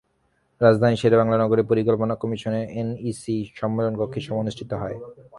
রাজধানীর শেরেবাংলা নগরের পরিকল্পনা কমিশনের এনইসি সম্মেলনকক্ষে এই সভা অনুষ্ঠিত হয়।